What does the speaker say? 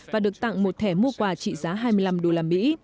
và được tặng một thẻ mua quà trị giá hai mươi năm đô la mỹ